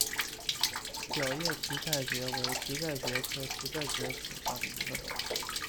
小叶蹄盖蕨为蹄盖蕨科蹄盖蕨属下的一个种。